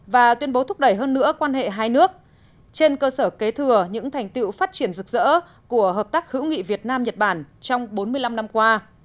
và tuyên bố thúc đẩy hơn nữa quan hệ hai nước trên cơ sở kế thừa những thành tiệu phát triển rực rỡ của hợp tác hữu nghị việt nam nhật bản trong bốn mươi năm năm qua